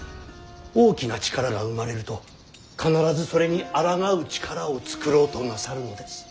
大きな力が生まれると必ずそれにあらがう力を作ろうとなさるのです。